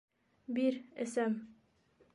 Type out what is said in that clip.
— Бир, эсәм.